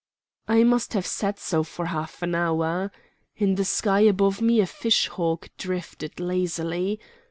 I must have sat so for half an hour. In the sky above me a fish hawk drifted lazily.